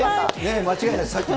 間違いないです。